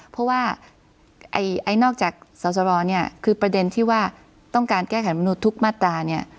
เพราะว่าไอ้นอกจากสอสรเนี่ยคือประเด็นที่ว่าต้องการแก้ไขมนุษย์ทุกมาตราเนี่ย